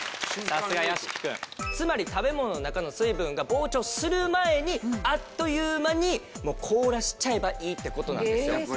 つまり食べ物の中の水分が膨張する前にあっという間に凍らせちゃえばいいって事なんですよ。